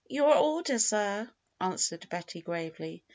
^^Your order, sir," answered Betty gravely.